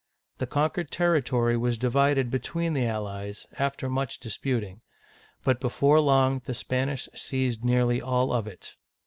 The con quered territory was divided between the allies, after much disputing; but before long the Spanish seized nearly all of it.